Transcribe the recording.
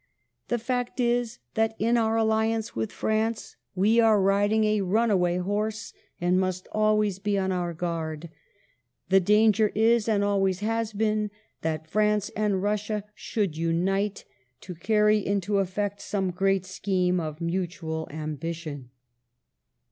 "The fact is that, in our alliance with France, we are riding a runaway horse, and must always be on our guard. ... The danger is, and always has been, that France and Russia should unite to carry into effect some great scheme of mutual ambition.